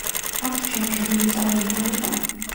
აქვს ჩერქეზული წარმომავლობა.